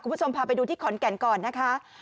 คุณผู้ชมพาไปดูที่ขอนแก่นก่อนนะคะ